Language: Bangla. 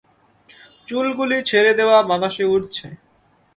চুলগুলি ছেড়ে দেওয়া, বাতাসে উড়ছে।